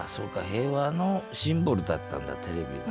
平和のシンボルだったんだテレビは。